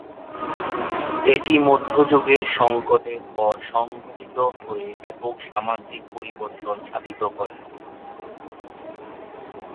এটি মধ্যযুগের সংকটের পর সংঘটিত হয়ে ব্যাপক সামাজিক পরিবর্তন সাধিত করে।